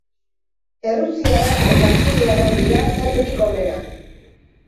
Errusiarrak eta suediarrak dira talderik onenak.